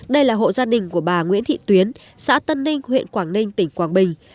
đây là hộ gia đình của bà nguyễn thị tuyến xã tân ninh huyện quảng ninh tỉnh quảng bình